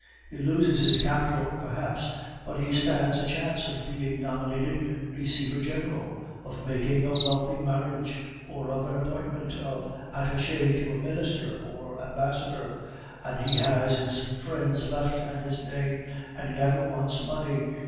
He loses his capital, perhaps, but he stands a chance of being nominated Receiver General, of making a wealthy marriage, or of an appointment of attache to a minister or ambassador; and he has his friends left and his name, and he never wants money.